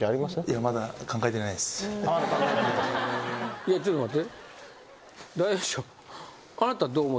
いやちょっと待って。